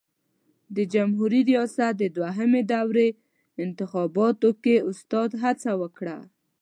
د جمهوري ریاست د دوهمې دورې انتخاباتو کې استاد هڅه وکړه.